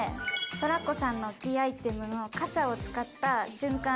トラコさんのキーアイテムの傘を使った瞬間